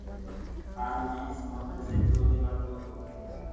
ڪآل مي موٽر سيڪلو دي ٻݪ گو تو۔